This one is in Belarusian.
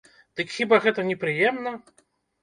Дык хіба гэта не прыемна?